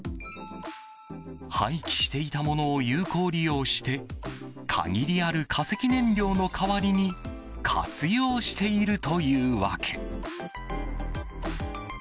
廃棄していたものを有効利用して限りある化石燃料の代わりに活用しているというわけ。